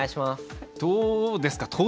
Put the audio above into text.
どうですか？